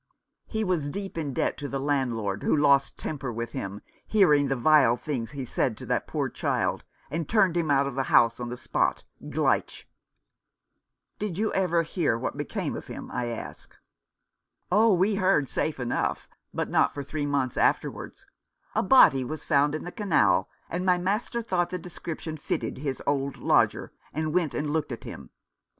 He was deep in debt to the landlord, who lost temper with him, hearing the vile things he said of that poor child, and turned him out of the house on the spot — gleich !"" Did you ever hear what became of him ?" I asked. " Oh, we heard, safe enough ; but not for three months afterwards. A body was found in the 264 Mr. Pawnee continues. canal, and my master thought the description fitted his old lodger, and went and looked at him.